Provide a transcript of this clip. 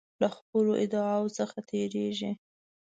له خپلو ادعاوو څخه تیریږي.